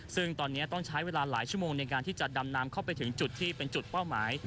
ซึ่งตอนนี้ต้องใช้เวลาหลายชั่วโมงในการที่จะดำน้ำเข้าไปถึงจุดที่เป็นจุดเป้าหมาย